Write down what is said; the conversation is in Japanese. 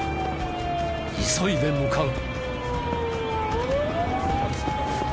急いで向かう。